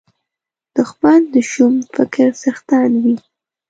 دښمن د شوم فکر څښتن وي